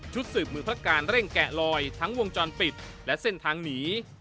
สืบมือพระการเร่งแกะลอยทั้งวงจรปิดและเส้นทางหนี